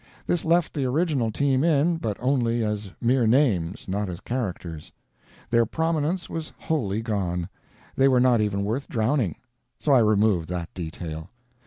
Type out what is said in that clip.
This left the original team in, but only as mere names, not as characters. Their prominence was wholly gone; they were not even worth drowning; so I removed that detail.